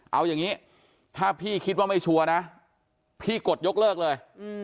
เอาอย่างนี้ถ้าพี่คิดว่าไม่ชัวร์นะพี่กดยกเลิกเลย